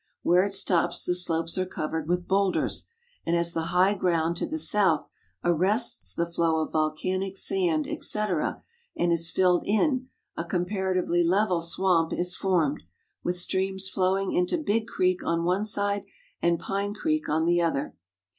Where it stoi>s the slopes are covered with boulders, and as the hiirh «?round to tlje south arrests the flow of volcanic sand, etc., and is fdlcd in, a comparatively level swamp is formed, with streams flowing into Big creek on one side and Pine creek on the other.